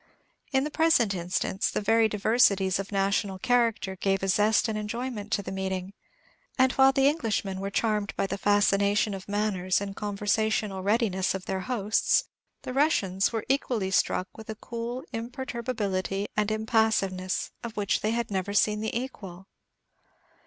In the present instance, the very diversities of national character gave a zest and enjoyment to the meeting; and while the Englishmen were charmed by the fascination of manners and conversational readiness of their hosts, the Russians were equally struck with a cool imperturbability and impassiveness, of which they had never seen the equal.